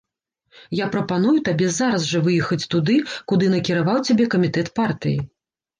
Я прапаную табе зараз жа выехаць туды, куды накіраваў цябе камітэт партыі.